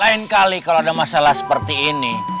lain kali kalau ada masalah seperti ini